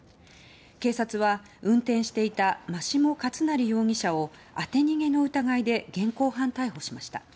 警察は運転していた眞下勝成容疑者を当て逃げの疑いで現行犯逮捕しました。